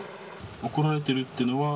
怒られているというのは？